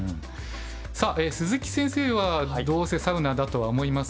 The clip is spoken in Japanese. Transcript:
さあ鈴木先生はどうせサウナだとは思いますが。